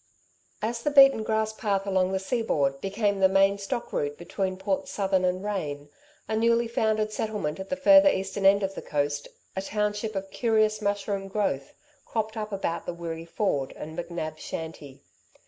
As the beaten grass path along the seaboard became the main stock route between Port Southern and Rane, a newly founded settlement at the further eastern end of the coast, a township of curious mushroom growth, cropped up about the Wirree Ford and McNab's shanty.